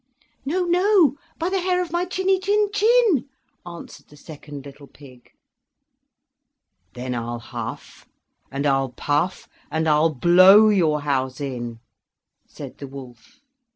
"No, no, by the hair of my chinny chin chin," answered the second little pig. "Then I'll huff, and I'll puff, and I'll blow your house in!" said the wolf.